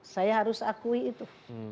saya harus akui itu